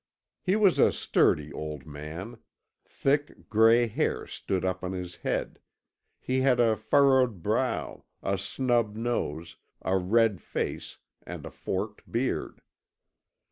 He was a sturdy old man; thick grey hair stood up on his head, he had a furrowed brow, a snub nose, a red face, and a forked beard.